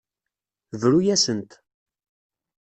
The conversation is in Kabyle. Bru-asent.